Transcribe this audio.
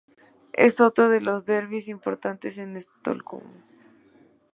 Es otro de los derbis importante en Estocolmo.